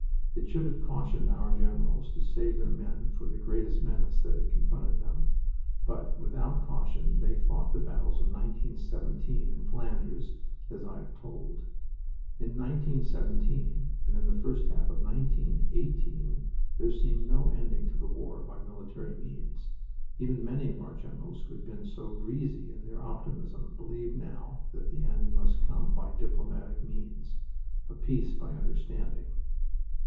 It should have cautioned our generals to save their men for the greatest menace that had confronted them. But without caution they fought the battles of 1917, in Flanders, as I have told. In 1917 and in the first half of 1918 there seemed no ending to the war by military means. Even many of our generals who had been so breezy in their optimism believed now that the end must come by diplomatic means a "peace by understanding."